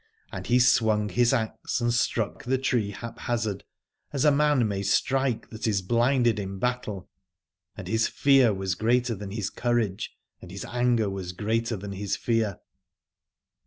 And he swung his axe and struck the tree haphazard, as a man may strike that is bhnded in battle, and his fear was greater than his courage, and his anger was greater than his fear.